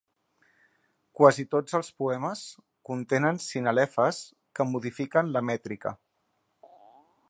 Quasi tots els poemes contenen sinalefes que modifiquen la mètrica.